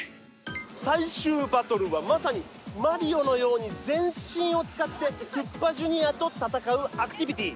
最終バトルはまさにマリオのように全身を使ってクッパＪｒ．と戦うアクティビティー。